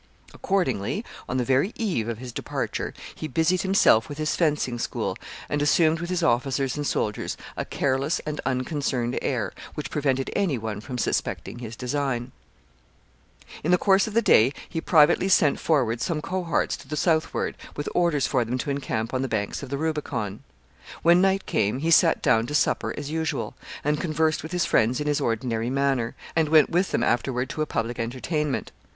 Accordingly, on the very eve of his departure, he busied himself with his fencing school, and assumed with his officers and soldiers a careless and unconcerned air, which prevented any one from suspecting his design. [Sidenote: Caesar's midnight march.] [Sidenote: He loses his way.] In the course of the day he privately sent forward some cohorts to the southward, with orders for them to encamp on the banks of the Rubicon. When night came he sat down to supper as usual, and conversed with his friends in his ordinary manner, and went with them afterward to a public entertainment.